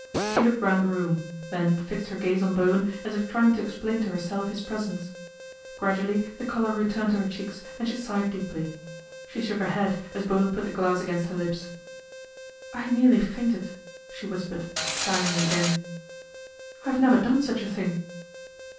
She looked round the room, then fixed her gaze on Bowen as if trying to explain to herself his presence. Gradually the colour re turned to her cheeks and she sighed deeply. She shook her head as Bowen put the glass against her lips. " I nearly fainted," she whispered, sighing again. " I've never done such a thing."